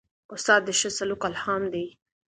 استاد د ښه سلوک الهام دی.